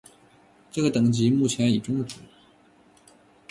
这个等级目前已终止。